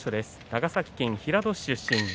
長崎県平戸市出身。